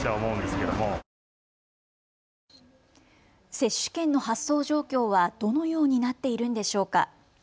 接種券の発送状況はどのようになっているんでしょうか。